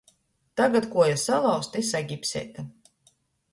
Tagad kuoja salauzta i sagipseita...